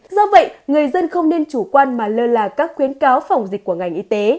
do vậy người dân không nên chủ quan mà lơ là các khuyến cáo phòng dịch của ngành y tế